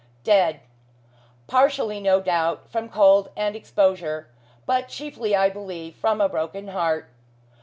Dead; partially no doubt, from cold and exposure; but chiefly, I believe, from a broken heart.